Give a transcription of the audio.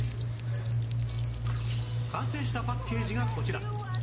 完成したパッケージがこちら